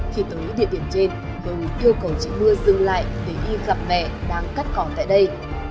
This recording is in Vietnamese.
khi tới địa điểm trên hưng yêu cầu chiếc mưa dừng lại để y gặp mẹ đang cắt cỏn tại đây